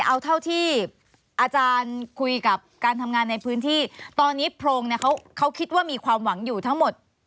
เอาเท่าที่อาจารย์คุยกับการทำงานในพื้นที่ตอนนี้โพรงเนี่ยเขาคิดว่ามีความหวังอยู่ทั้งหมด